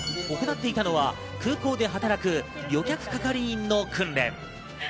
行っていたのは空港で働く旅客係員の訓練。